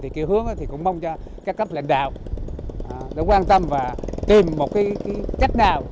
thì cái hướng thì cũng mong cho các cấp lãnh đạo để quan tâm và tìm một cái cách nào